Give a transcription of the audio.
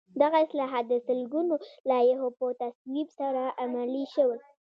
دغه اصلاحات د سلګونو لایحو په تصویب سره عملي شول.